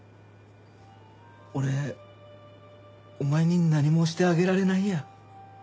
俺お前に何もしてあげられないや。